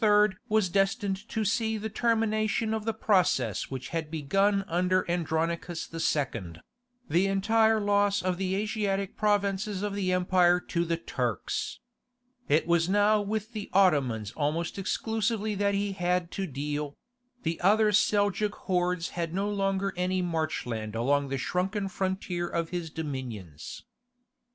was destined to see the termination of the process which had begun under Andronicus II.—the entire loss of the Asiatic provinces of the empire to the Turks. It was now with the Ottomans almost exclusively that he had to deal; the other Seljouk hordes had no longer any marchland along the shrunken frontier of his dominions.